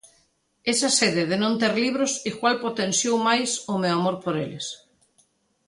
Esa sede de non ter libros igual potenciou máis o meu amor por eles.